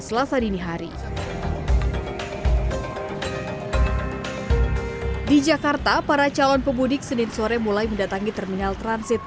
selasa dini hari di jakarta para calon pemudik senin sore mulai mendatangi terminal transit